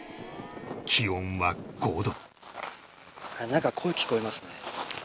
気温は５度